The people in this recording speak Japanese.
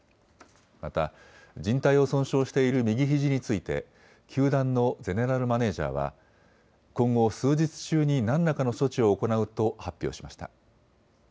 また、じん帯を損傷している右ひじについて球団のゼネラルマネージャーは今後、数日中に何らかの処置を行うと発表しました。